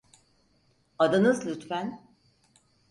Adınız lütfen?